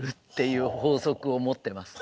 いう法則を持ってます。